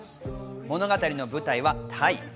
物語の舞台はタイ。